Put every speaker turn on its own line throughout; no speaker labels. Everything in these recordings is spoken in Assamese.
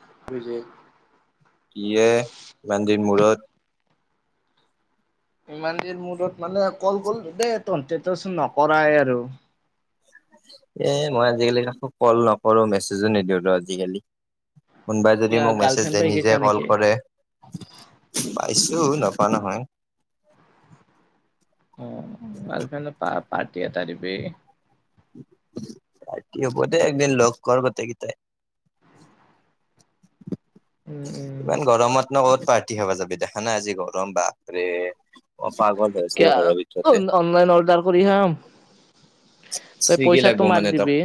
[unintelligible]
কিয়ে ইমান দিন মূূৰত
ইমান দিন মূৰত মানে, কল গ'ল দেই, তহঁতে ত চোন নকৰাই আৰু।
এ মই আজিকালি কাকো কল নকৰোঁ, মেছেজো নিদিওঁ ৰ আজিকালি। কোনবাই যদি
কিয়
মোক মেছেজ
গাৰ্লফ্ৰেণ্ড
দিয়ে,
পাই গৈছা
নিজে কল
নেকি
কৰে, পাইছোঁ ন পোৱা নহয়।
অ, ভালকে‌ ন, প, পাৰ্টি এটা দিবি।
পাৰ্টি হ'ব দে, একদিন লগ কৰ গোটেইকেইটাই।
উম উম
ইমান গৰমত নো ক'ত পাৰ্টি খাবা যাবি, দেখা নাই আজি গৰম, বাপৰে! অ' পাগল হৈ আছিলে
কিয়
ঘৰৰ
অন
ভিতৰতে।
অনলাইন অৰ্ডাৰ কৰি খাম তই
ছুইগি লাগব
পইচাটো মাৰি
মানে তোক,
দিবি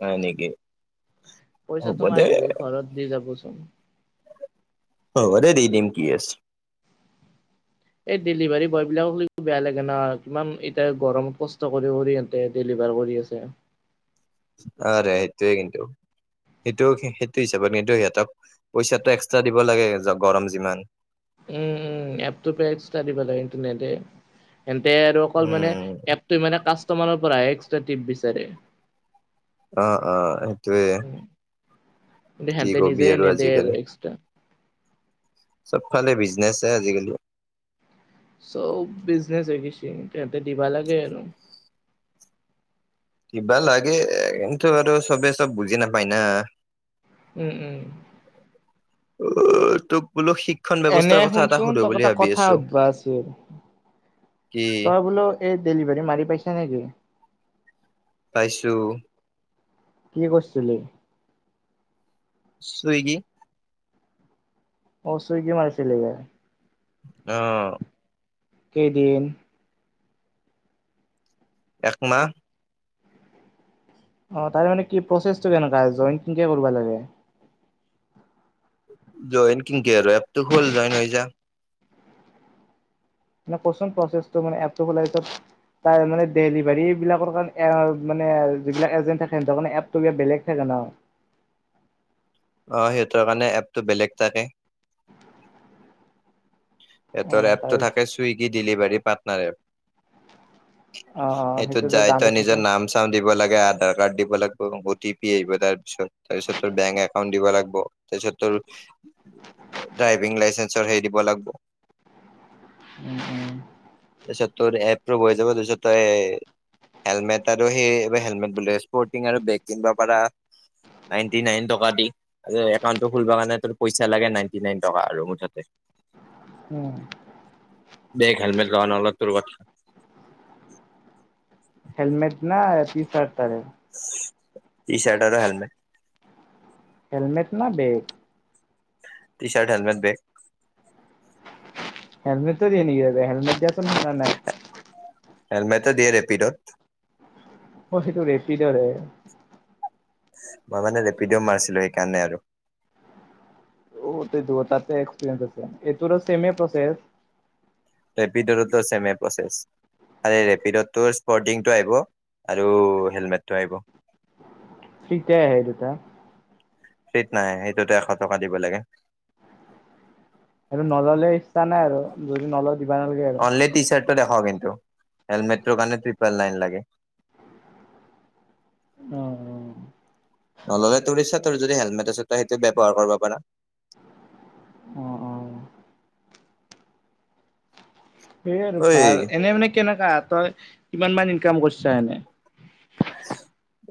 হয় নেকি? হ'ব
পইচাটো
দে
মাৰি দিবি ঘৰত দি যাবচোন।
অ' হ'বদে, দি দিম কি আছে।
এই ডেলিভাৰী বয় বিলাকো বেয়া লাগে ন, কিমান এতিয়া গৰমত কষ্ট কৰি কৰি হতে দেলিভাৰি [unintelligible] কৰি আছে।
অ' ৰে! এইটোৱে কিন্তু। সেইটো, সেইটো হিচাপত কিন্তু সিহঁতক, পইচাটো এক্সট্ৰা দিব লাগে, গৰম যিমান।
উম! উম! এপটো পে এক্সট্ৰা দিব লাগে কিন্তু নেদে। তেন্তে আৰু অকল মানে
উম
এপটোই মানে কাষ্টমাৰৰ পৰাহে এক্সট্ৰা ট্ৰিপ বিচাৰে।
অ, অ সেইটোৱে।
দে হেনতে নিজে নেদে আৰু এক্সট্ৰা।
চবফালে বিজনেচহে আজিকালি।
চ'ব বিজনেচ হৈ গিছি, তেহঁতে দিবা লাগে আৰু।
দিবা লাগে, কিন্তু আৰু চবে চব বুজি নাপায় না।
উম উম
অ' তোক বোলো শিক্ষণ ব্যৱস্থাৰ
এনে
কথা এটা
শুনচোন,
সুধো
তোক
বুলি
এটা
ভাবি
কথা
আছো
সুধিব আছিল।
কি
তই বোলোঁ, এই ডেলিভাৰী মাৰি পাইছা নেকি?
পাইছোঁ।
কি কৰিছিলি?
ছুইগি।
অ ছুইগি মাৰিছিলি।
অ'হ।
কেইদিন?
একমাহ।
অ তাৰে মানে কি প্ৰচেছটো কেনেকুৱা, জইন কেনেকে কৰিব লাগে?
জইন কিংকে আৰু, এপটো খুল জইন হৈ যা।
মানে কচোন প্ৰচেছটো, মানে এপটো খোলা পিছত তাৰ মানে ডেলিভাৰীবিলাকৰ কাৰণে এৰাৰ মানে আৰু যিবিলাক এজেন্ট থাকে, সিহঁনতৰ কাৰণে এপটো বেলেগ থাকে। অ।
অ, সিহঁতৰ কাৰণে এপটো বেলেগ থাকে।
অ
সিহঁতৰ
তাৰ
এপটো থাকে চুইগী ডিলিভাৰী পাৰ্টনাৰ এপ।
অ অ সেইটো
এইটোত যাই
ডাউনলোড
তই
কৰি
নিজৰ
থম।
নাম-চাম দিব লাগ এ আধাৰ কাৰ্ড দিব লাগব', অ-টি-পি আহিব তাৰপিছত। তাৰপিছত তোৰ বেংক একাউণ্ট দিব লাগব'। তাৰপিছত তোৰ ড্ৰাইভিং লাইচেঞ্চৰ হেই দিব লাগব'।
উম-উম।
তাৰপিছত তোৰ এপটো হৈ যাব, তাৰপিছত তই হেলমেট আৰু সেই হেলমেট বোলে স্পৰ্টিং আৰু বেগ কিনব' পাৰা। নাইনটি নাইন টকা দি, একাউণ্টটো খুলবা কাৰণে তোৰ পইচা লাগে নাইনটি নাইন টকা আৰু মুঠতে।
উম।
বেগ, হেলমেট ল, নল তোৰ কথা।
হেলমেট না টি-চাৰ্ট তাৰে?
টি-চাৰ্ট আৰু হেলমেট।
হেলমেট না বেগ?
T-shirt, helmet, bag.
হেলমেটো দিয়ে নেকি সিহঁতে? হেলমেট দিয়াচোন দেখা নাই।
হেলমেটো দিয়ে ৰেপিডত।
অ, সেইটো ৰেপিডৰহে।
মই মানে ৰেপিড' মাৰছিলো সেইকাৰণে আৰু।
অ, তে দৌতাতে এক্সপিৰিয়েনচ আছে, এইটোৰো চেমে প্ৰচেছ?
ৰেপিডৰোটো চেমে প্ৰচেছ। আৰে ৰেপিডত তোৰ স্পৰ্টিংটো আহিব আৰু হেলমেটটো আহিব।
কেইটে আহে এই দুটা?
সেইত নাহে, সেইটোটো এশ টকা দিব লাগে।
আৰু নললে ইচ্ছা নাই আৰু যদি নলওঁ দিবা নালগে আৰু।
তই দেখ কিন্তু হেলমেটোৰ কাৰণে ট্ৰিপেল লাইন লাগে।
অহ-অহ।
নললে তোৰ ইচ্ছা। তোৰ যদি হেলমেট আছে, তই সেইটো ব্যৱহাৰ কৰব' পাৰা।
অ-অ। সেয়ে আৰু
ঐ
ভাল। এনে মানে কেনেকা? তই কিমান মান ইনকাম কৰছা এনে? [inaudible]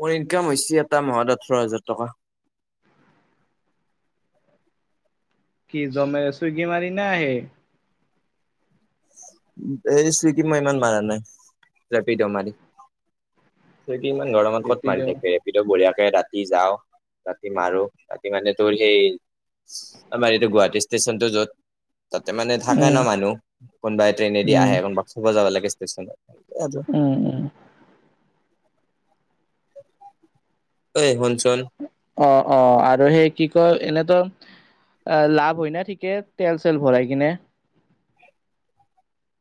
মোৰ ইনকাম হৈছি এটা মাহত ওঠৰ হাজাৰ টকা।
কি জমে চুইগি মাৰি না হেই
এই চুইগিত মই ইমান মাৰা নাই, ৰেপিদ' মাৰি চুইগিত ইমান গৰমত ক'ত
ৰেপিড'
মাৰি থাকবি? ৰেপিড' বঢ়িয়া। এ ৰাতি যাওঁ, ৰাতি মাৰো, ৰাতি মানে তোৰ সেই আমাৰ এইটো গুৱাহাটী ষ্টেচনটো য'ত তাতে মানে থাকে
উম
ন মানুহ। কোনবাই ট্ৰেইনেদি
উম
আহে, কোনবাক থ'ব যাব লাগে ষ্টেচনত।
উম, উম।
ঐ শুনচোন
অ-অ, আৰু সেই কি কয় এনে তোৰ আ লাভ হয় না ঠিকে তেল-চেল ভৰাই কিনে?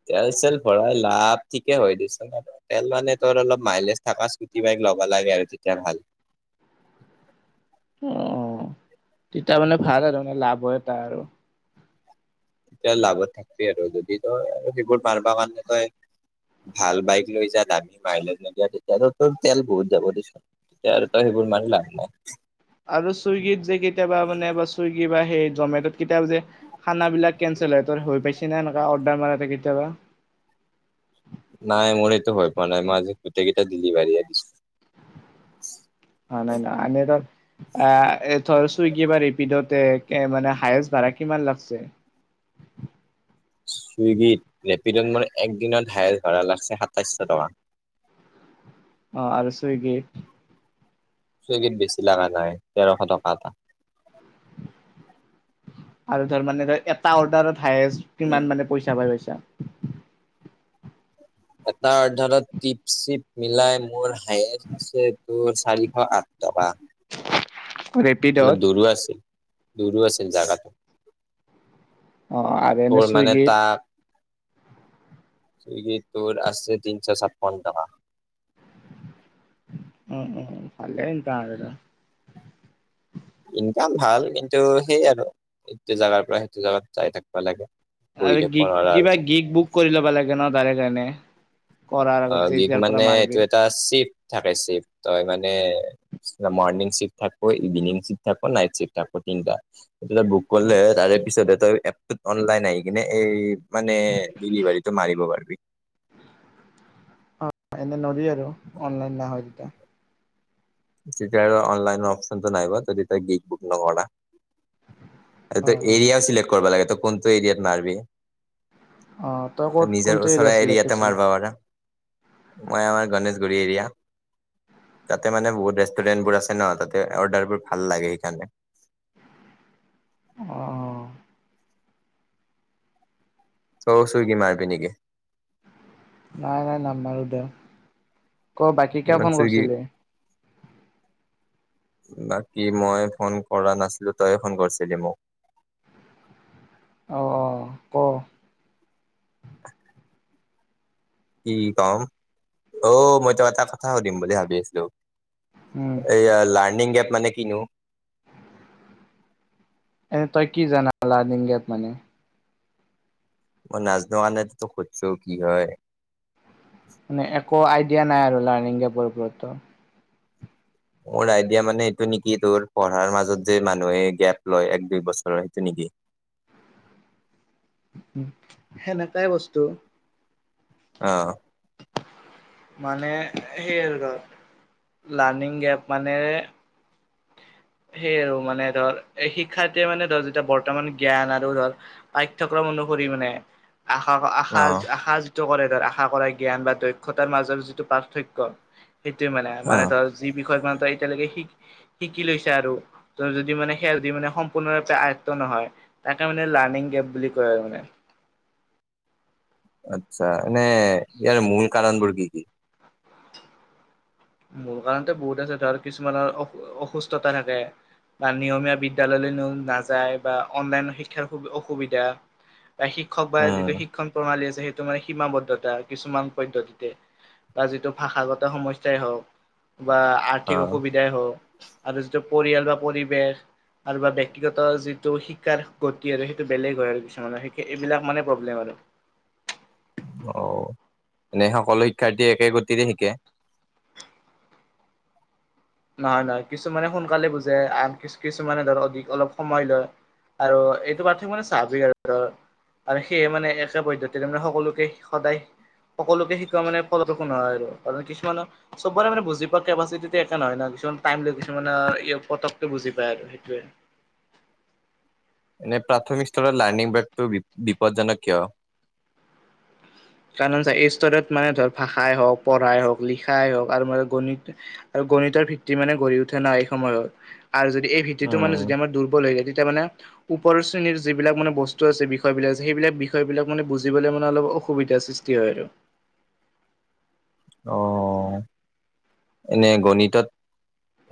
তেল-চেল ভৰাই লাভ ঠিকে হয় পিছে। তেল মানে তোৰ অলপ মাইলেজ থকা স্কুটি, বাইক ল'ব লাগে আৰু তেতিয়া ভাল।
[inaudible] অ, তেতিয়া মানে ভাল আৰু মানে লাভ হয় এটা আৰু।
তেতিয়া লাভত থাকবি আৰু যদি তই আৰু সেইবোৰ পাৰবা কাৰণে তই ভাল বাইক লৈ যা, দামি মাইলেজ নিদিয়া, তেতিয়াতো তোৰ তেল বহুত যাব দিচোন। তই আৰু তই সেইবোৰ মানি লাভ নাই।
আৰু চুইগীত যে কেতিয়াবা মানে, চুইগি বা সেই জমেটত কেতিয়াবা যে খানাবিলাক কেনচেল হয় হৈ পাইছে না, এনেুৱা অৰ্ডাৰ মাৰাতে কেতিয়াবা?
নাই মোৰ এইটো হয় পোৱা নাই, মই আজি গোটেকেইটা দিলিভাৰি আনিছোঁ।
অ' নাই নাই! আমি এটা আ এতিয়া ধৰ চুইগি বা ৰিপিডতে, এ মানে হায়েষ্ট ভাড়া কিমান লাগছে?
চুইগিত, ৰেপিডত মোৰ একদিনত হায়েষ্ট ভাড়া লাগিছে সাতাইছশ টকা।
[inaudible] অ আৰু ছোইগি
চুইগিত দিছিলা মানে তেৰশ টকা এটা।
আৰু ধৰ মানে তই এটা অৰ্ডাৰত হায়েষ্ট কিমান মানে পইচা পাই পাইছা?
এটা অৰ্ধাৰত টিপ-চিপ মিলাই মোৰ হায়েষ্ট আছে তোৰ চাৰিশ আঠ টকা। [unintelligible]
ৰেপিডত
দূৰো আছিল দূৰো আছিল জাগাটো।
অ আৰু এনে
তোৰ মানে
চুইগিত
তাত ছুইগীত তোৰ আছে তিনছ ছাপন্ন টকা।
[inaudible] উ উম ভালেই [unintelligible]
ইনকাম ভাল। কিন্তু সেই আৰু এইটো জাগাৰ পৰা সেইটো জাগাত যাই থাকবা লাগে। বহি
আৰু
থাকিব
গি
নোৱাৰা আৰু
কিবা গিক বুক কৰি ল'বা লাগে ন তাৰে কাৰণে? কৰাৰ
অ
আগত যে
গীক
এতিয়াৰ পৰা
মানে এইটো
মাৰবি।
এটা চিফ থাকে। চিফ তই মানে মৰ্নিং চিফ্ট থাকব, ইভিনিং চিফ্ট থাকব, নাইট চিফ্ট থাকব তিনটা। এইবিলাক বুক কৰলে তাৰে পিছত তাৰ এপটোত অনলাইন আহি কিনে এই মানে ডেলিভাৰীটো মাৰিব পাৰিবি।
[inaudible] অ' এনে নৰি আৰু অনলাইন নাহা কিটা।
তেতিয়া আৰু অনলাইন অপচনটো নাহিব তই তেতিয়া গীত বুক নকৰা তাতে
অ' অ'
এৰিয়া চিলেক্ট কৰিব লাগে তই কোনটো এৰিয়াত নাৰবি।
অ'
তই
ক'ত
নিজৰ
কোনটো এৰিয়া
ওচৰা
আছিলে
এৰিয়াতে
কৈছিলি।
মাৰব পাৰা। মই আমাৰ গণেশগুৰি এৰিয়া, তাতে মানে বহুত ৰেষ্টুৰেণ্টবোৰ আছে ন তাতে। অৰ্ডাৰবোৰ ভাল লাগে সেইকাৰণে।
অ।
চ চু কি মাৰ পি নিকে?
নাই নাই নামাৰো দা ক বাকী কিয়
ইমান
ফোন
চুইগি
কৰিছিলি?
বাকী মই ফন কৰা নাছলো। তইয়ে ফন কৰছিলি মোক।
অ-অ-অ ক।
কি কম? অ, মই তোক এটা কথা সুধিম বুলি ভাবি আছোঁ।
উম
এইয়া লাৰ্ণিং এপ মানে কিনো?
এ তই কি জানা লাৰ্নিং গেপ মানে?
মই নাজনো কাৰণটো তোক সুধছো কি হয়?
মানে একো আইডিয়া নাই আৰু লাৰ্ণিং এপৰ ওপৰত তোৰ।
মোৰ আইডিয়া মানে এইটো নেকি তোৰ, পঢ়াৰ মাজত যে মানুহে গেপ লয় এক, দুই বছৰৰ সেইটো নেকি?
[inaudible] উ সেনেকাই বস্তু।
অ।
মানে সেই আৰু ধৰ লাৰ্ণিং গেপ মানে [inaudible] সেইয়ে আৰু মানে ধৰ এ শিক্ষাৰ্থীয়ে মানে ধৰ যেতিয়া বৰ্তমান জ্ঞান আৰু ধৰ পাঠ্যক্ৰম অনুসৰি মানে
অ
আশ-আসাজ-আসাজ কৰে তাৰ আশা কৰা জ্ঞান বা দক্ষতাৰ মাজৰ যিটো পাৰ্থক্য সেইটোৱে মানে। মানে
অ
ধৰ যি বিষয়ত মানে তই এতিয়ালৈকে শিক শিকি লৈছা আৰু তই যদি মানে সে মানে সম্পূৰ্ণৰূপে আয়ক্ত নহয় তাকে মানে লাৰ্ণিং [unintelligible] [unintelligible] বুলি কয় আৰু মানে।
আচ্ছা, এনে ইয়াৰ মূল কাৰণবোৰ কি কি?
মূল কাৰণতে বহুত আছে। ধৰ কিছুমানৰ অ অসুস্থতা থাকে। বা নিয়মীয়া বিদ্যালয়লৈ নো নাযায় বা অনলাইন শিক্ষাৰ সু অসুবিধা। বা শিক্ষক বা
উম
যিটো শিক্ষণ প্ৰণালী আছে। সেইটো মানে সীমাবদ্ধতা কিছুমান পদ্ধতিতে বা যিটো ভাষাগত সমস্য- স্যা হওক বা
অ
আৰ্থিক অসুবিধাই হওক আৰু যিটো পৰিয়াল বা পৰিৱেশ আৰু বা ব্যক্তিগত যিটো শিক্ষাৰ গতি আৰু সেইটো বেলেগ হয় আৰু কিছুমানৰ এইবিলাক মানে প্ৰবলেম আৰু। [inaudible]
অ এনেই সকলো শিক্ষাৰ্থীয়ে একে গতিৰে শিকে।
নহয় নহয় কিছুমানে সোনকালে বুজে, আন কিছুমানে ধৰক অধিক অলপ সময় লয়। আৰু এইটো পাৰ্থক্য মানে স্বাভাৱিক আৰ। আৰু সেয়ে মানে একে পদ্ধতিৰে মানে সকলোকে সদায়। সকলোকে শিকোৱা মানে ফলপ্ৰসূ নহয় আৰু কিছুমানৰ চবৰে মানে বুজি পোৱা কেপাচিটিটো একে একে নহয় ন কিছুমান টাইম লয় কিছুমানে পতককে বুজি পায় আৰু সেইটোৱে। [inaudible]
এনে প্ৰাথমিক স্তৰৰ লাৰ্ণিং বেগটো বি বিপদজনক কিয়?
কাৰণ এই স্তৰত মানে ধৰ ভাষাই হওক পঢ়াই হওঁক লিখাই হওক আৰু মানে গণিত আৰু গণিতৰ ভিত্তি মানে গঢ়ি উঠা নাই এই সময়ত আৰু যদি এই ভিত্তিটো মানে যদি
উম
আমাৰ দুৰ্বল হৈ যায়। তেতিয়া মানে ওপৰৰ শ্ৰেণীৰ যিবিলাক মানে বস্তু আছে বিষয় বিলাক আছে সেইবিলাক বিষয় বিলাক মানে বুজিবলৈ মানে অলপ অস- সুবিধাৰ সৃষ্টি হয় আৰু।
অ। এনে গণিতত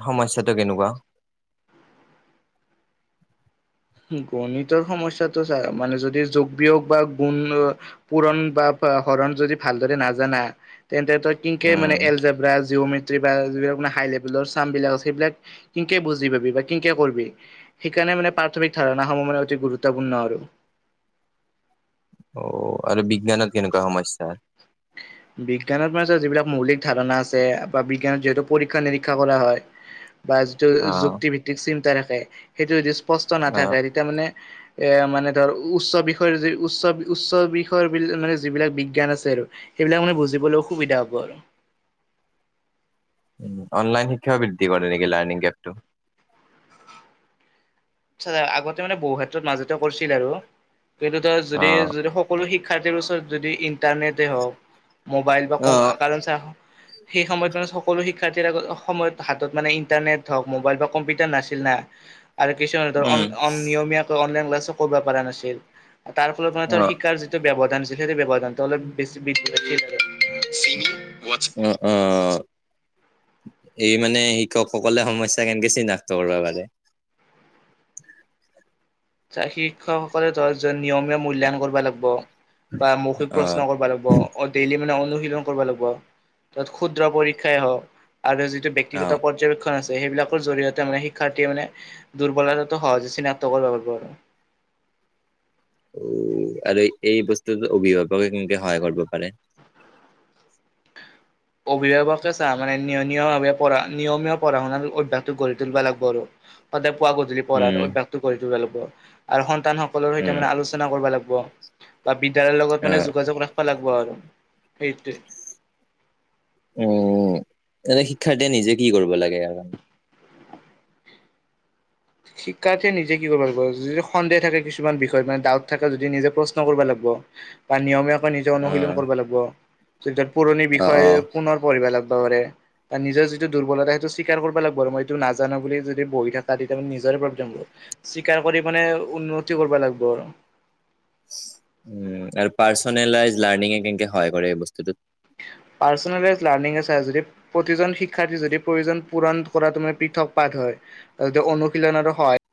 সমস্যাটো কেনেকুৱা?
[inaudible] গণিতৰ সমস্যাটো চা মানে যদি যোগ, বিয়োগ বা গুণ, পূৰণ বা বা হৰণ যদি ভালদৰে নাজানা তেন্তে তই কিংঙ্কে
উম
মানে এলজেবৰাজ জিঅমেট্ৰী বা যিব হাই লভেলৰ চাম বিলাক আছে সেইবিলাক কিংঙ্কে বুজি পাবি বা কিংঙ্কে কৰবি। সেইকাৰণে মানে প্ৰাথমিক ধাৰণা সমূহ মানে অতি গুৰুত্বপূৰ্ণ আৰু।
অ আৰু বিজ্ঞানত কেনেকুৱা সমস্যা?
বিজ্ঞানৰ মানত যিবিলাক মৌলিক ধাৰণা আছে বা বিজ্ঞানত যিহেতু পৰীক্ষা নিৰীক্ষা কৰা হয়। বা যিটো
অ
যুক্তি ভিত্তিক চিন্তা থাকে সেইটো যদি স্পষ্ট
অ
নাথাকে তেতিয়া মানে এ মানে ধৰ উচ্চ বিষয় উচ্চ বি উচ্চ বিষয় বি মানে যিবিলাক বিজ্ঞান আছে আৰু। সেইবিলাক মানে বুজিবলৈও অসুবিধা হ'ব আৰু।
অনলাইন শিক্ষাও বৃদ্ধি কৰে নেকি লাৰ্ণিং এপটো।
আচ্চা আগতে মানে বহু ক্ষেত্ৰত মাজতে কৰিছিল আৰু কিন্তু তই
অ
যদি যদি সকলো শি- শিক্ষাৰ্থীৰ ওচৰত যদি ইন্টাৰনেটে হওক মোবাইল বা ক
অ
কাৰণ চা সেই সময়ত মানে সকলো শিক- শিক্ষাৰ্থীৰ আগত সময়ত হাতত মানে ইণ্টাৰনেট হওক মোবাইল বা কম্পিউটাৰ নাছিল না আৰু কিছুমানে ধৰ অন
উম
অন নিয়মীয়াকৈ অনলাইন ক্লাছো কৰিব পৰা নাছিল তাৰ ফলত মানে
অ
ধৰ শিক্ষাৰ যিটো ব্যৱধান আছিল সেইটো ব্যৱধানতটো অলপ বছি বৃদ্ধি আছিল আৰ। চিনি ৱাচ
অ অ এই মানে শিক্ষকসকলে সমস্যা কেনেকে চিনাক্ত কৰিব পাৰে।
যাক শিক্ষকসকলে ধৰ নিয়মীয়া মূল্যায়ন কৰিব লাগব। বা মৌখিক
অ
প্ৰশ্ন কৰিব লাগব, অ ডেইলি মানে অনু- শীলন কৰব লাগিব, ত ক্ষুদ্ৰ পৰীক্ষাই হওক আৰু যিটো
অ
বক্তিগত পৰ্যবেক্ষণ আছ- সেইবিলাকৰ জৰিয়তে মানে শিক্ষাৰ্থীয়ে মানে দুৰ্বলতাটো সহজে চিনাক্ত কৰিব পাৰিব। আৰু।
উ আৰু এই বস্তুত অভিভাৱকে কিংঙ্কে সহায় কৰিবা পাৰে।
অভিভাৱকে চা মানে নিয়মীয়ভাৱ নিয়মীয়া পঢ়া শুণাটো অভ্যাসটো গঢ়ি তুলিব লাগিব আৰু। সদায় পুৱা গধূলি পঢ়াৰ
উম
অভ্যাস টো কৰি গঢ়ি তুলিব লাগিব আৰু সন্তান সকলৰ
উম
সৈতে মানে আলোচনা কৰিব লাগ- ব বা বিদ্যয়ালয়ৰ লগত
অ
মানে যোগাযোগ ৰাখিব লাগিব আৰু সেইটোৱে।
উম এ শিক্ষাৰ্থীয়ে নিজে কি কৰিব লাগে?
শিক্ষাৰ্থে নিজে কি কৰিব লাগিব যদি সন্দেহ থাকে কিছুমান বিষয়ত মানে ডাউট থাকে যদি নিজে প্ৰশ্ন কৰিব লাগব। ব বা নিয়মীয়া তোমাৰ নিজে
অ
অনুশীলন কৰবা লাগব, যেতিয়া পুৰণি
অ
বিষয়ে
অ
পুনৰ পঢ়িবা লাগবা পাৰে। বা নিজৰ যিটো দুৰ্বলতা সেইটো স্বীকাৰ কৰবা লাগব আৰু মই এইটো নাজানো বুলি যদি বহি থাকা তে তে নিজৰে প্ৰব্লেম হ'ব, স্বীকাৰ কৰি মানে উন্নতি কৰবা লাগব।
উম, আৰু পাৰ্চনেলাইজ লাৰ্নিং কেনকে সহায় কৰে এই বস্তুটোত।
[unintelligible] পাৰ্চনেলাইজ লাৰ্নিং আছে যদি, প্ৰতিজন শিক্ষাৰ্থী যদি প্ৰয়োজন পূৰণ কৰা তোমাৰ পৃথক পাঠ হয়। [unintelligible] অনুশীলনৰো হয়।